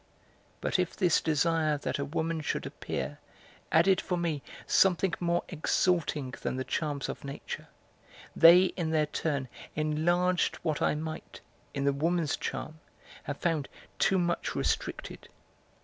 But if this desire that a woman should appear added for me something more exalting than the charms of nature, they in their turn enlarged what I might, in the woman's charm, have found too much restricted.